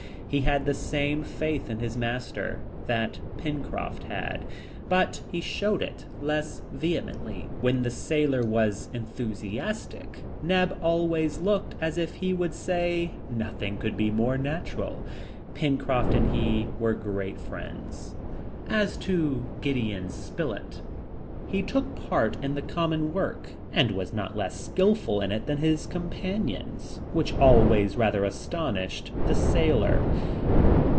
He had the same faith in his master that Pencroft had, but he showed it less vehemently. When the sailor was enthusiastic, Neb always looked as if he would say, "Nothing could be more natural." Pencroft and he were great friends. As to Gideon Spilett, he took part in the common work, and was not less skilful in it than his companions, which always rather astonished the sailor.